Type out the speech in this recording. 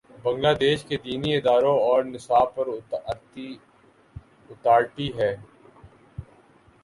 بنگلہ دیش کے دینی اداروں اور نصاب پر اتھارٹی تھے۔